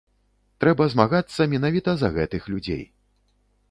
Трэба змагацца менавіта за гэтых людзей.